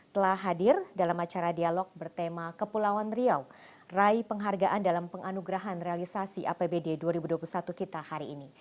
telah hadir dalam acara dialog bertema kepulauan riau rai penghargaan dalam penganugerahan realisasi apbd dua ribu dua puluh satu kita hari ini